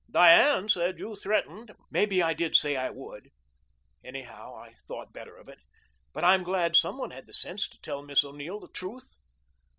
Diane said you threatened " "Maybe I did say I would. Anyhow, I thought better of it. But I'm glad some one had the sense to tell Miss O'Neill the truth."